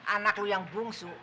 anak lu yang bungsu